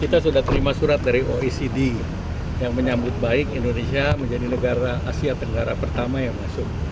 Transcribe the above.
kita sudah terima surat dari oecd yang menyambut baik indonesia menjadi negara asia tenggara pertama yang masuk